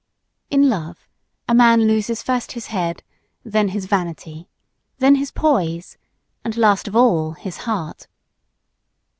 In love, a man loses first his head, then his vanity, then his poise and, last of all, his heart.